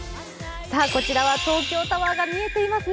こちらは東京タワーが見えていますね。